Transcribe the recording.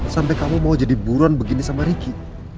sampai kamu mau jadi buruan begini sama ricky